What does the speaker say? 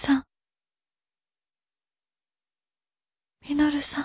稔さん！